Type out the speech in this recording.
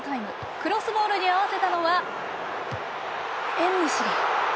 クロスボールに合わせたのはエンネシリ。